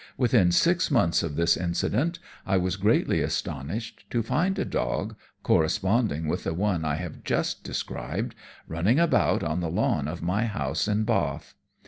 Within six months of this incident I was greatly astonished to find a dog, corresponding with the one I have just described, running about on the lawn of my house in Bath.